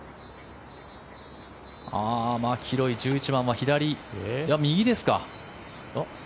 マキロイ、１１番は右ですか。